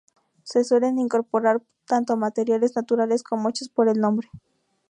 Se suelen incorporar tanto materiales naturales, como hechos por el hombre.